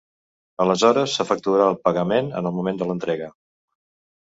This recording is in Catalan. Aleshores s'efectuarà el pagament en el moment de l'entrega.